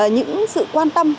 những sự quan tâm